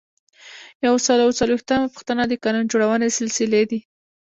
یو سل او څلویښتمه پوښتنه د قانون جوړونې سلسلې دي.